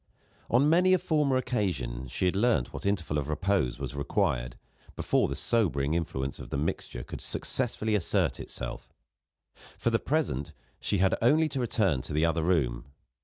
On many a former occasion she had learnt what interval of repose was required, before the sobering influence of the mixture could successfully assert itself. For the present, she had only to return to the other room.